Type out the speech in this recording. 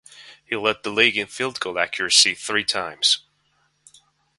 He led the league in field-goal accuracy three times.